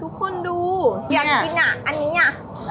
ทุกคนดูอยากกินอ่ะอันนี้อ่ะ